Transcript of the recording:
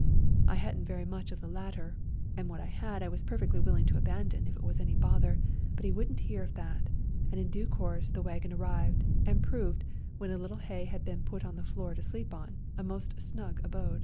I hadn't very much of the latter, and what I had I was perfectly willing to abandon if it was any bother, but he wouldn't hear of that ; and in due course the wagon arrived, and proved, when a little hay had been put on the floor to sleep on, a most snug abode.